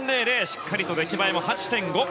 しっかりと出来栄えも８．５。